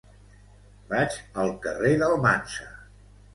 Vaig al carrer d'Almansa.